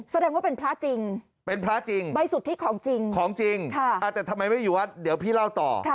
แสดงว่าเป็นพระจริงใบสุทธิของจริงค่ะแต่ทำไมไม่อยู่วัดเดี๋ยวพี่เล่าต่อ